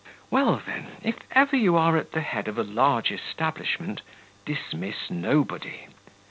"Well, then, if ever you are at the head of a large establishment, dismiss nobody.